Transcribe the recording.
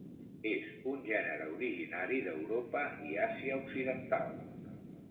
És un gènere originari d'Europa i Àsia occidental.